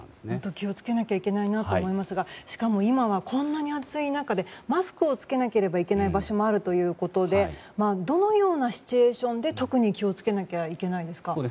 気を付けないといけないなと思いますがしかも、今はこんなに暑い中でマスクを着けないといけない場所もあるということでどのようなシチュエーションで特に気を付けないといけないですか。